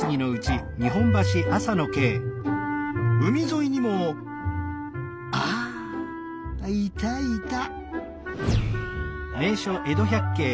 海沿いにもああいたいた。